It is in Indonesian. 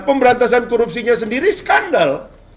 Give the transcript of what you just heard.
pemberantasan korupsinya sendiri skandal